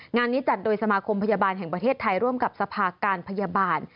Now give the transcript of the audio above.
งานนี้จัดโดยสมาคมพยาบาลแห่งประเทศไทยร่วมกับสภาการพยาบาล